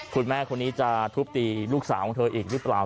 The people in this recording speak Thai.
คุณแม่คนนี้จะทุบตีลูกสาวของเธออีกหรือเปล่า